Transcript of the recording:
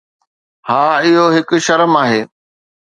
ها، اهو هڪ شرم آهي